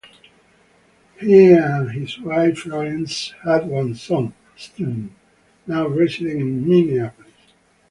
He and his wife Florence had one son, Stephen, now resident in Minneapolis.